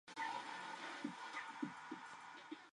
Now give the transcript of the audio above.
Su jefe, Irving Lambert, es doblado por Don Jordan.